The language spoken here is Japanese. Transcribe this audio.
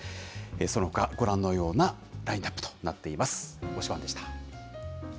そのほかご覧のようなラインナップとなっています。